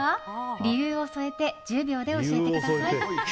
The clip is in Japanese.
理由を添えて１０秒で教えてください。